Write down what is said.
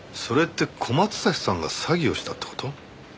それって小松崎さんが詐欺をしたって事？